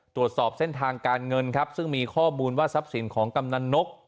ตรวจสอบเส้นทางการเงินครับซึ่งมีข้อมูลว่าทรัพย์สินของกำนันนก